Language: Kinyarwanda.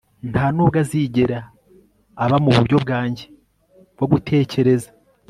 Ntanubwo azigera aba muburyo bwanjye bwo gutekereza